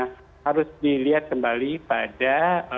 harus dilihat kembali pada